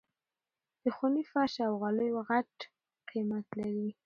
د خوني فرش او غالۍ غټ قيمت لري.